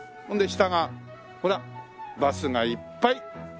ほんで下がほらバスがいっぱい。